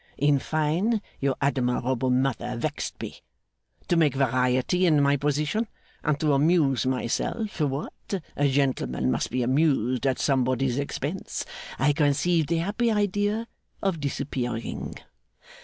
In fine, your admirable mother vexed me. To make variety in my position, and to amuse myself what! a gentleman must be amused at somebody's expense! I conceived the happy idea of disappearing.